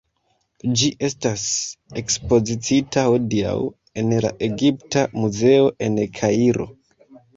Ĝi estas ekspoziciita hodiaŭ en la Egipta Muzeo en Kairo.